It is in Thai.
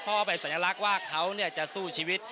เพราะเป็นสัญลักษณ์ว่าเขาจะสู้ชีวิต